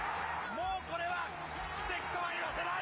もうこれは奇跡とは言わせない。